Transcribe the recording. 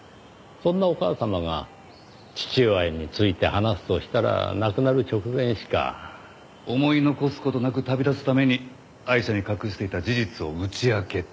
そんなお母様が父親について話すとしたら亡くなる直前しか。思い残す事なく旅立つためにアイシャに隠していた事実を打ち明けた。